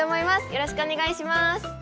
よろしくお願いします！